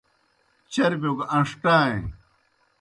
چربِیو گہ ان٘ݜٹائیں۔